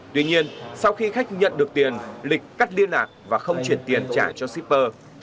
tuy nhiên sau khi khách nhận được tiền lịch cắt liên lạc và không chuyển tiền trả cho shipper